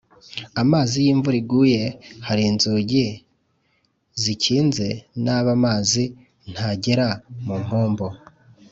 Amazi iyo imvura iguye hari inzugi zikinze nabi amazi ntagera mu mpombo